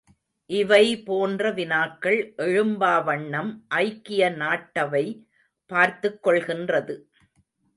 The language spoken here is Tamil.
இவை போன்ற வினாக்கள் எழும்பா வண்ணம் ஐக்கிய நாட்டவை பார்த்துக் கொள்கின்றது.